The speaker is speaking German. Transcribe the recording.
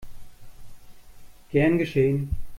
Gern geschehen!